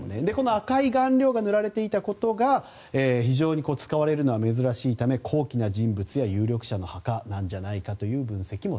赤い顔料が塗られていたことが非常に使われるのは珍しいため高貴な人物や有力者の墓の場合が多いと。